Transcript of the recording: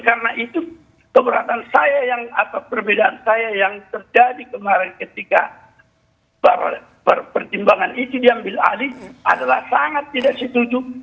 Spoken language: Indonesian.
karena itu keberatan saya yang atau perbedaan saya yang terjadi kemarin ketika pertimbangan itu diambil alih adalah sangat tidak setuju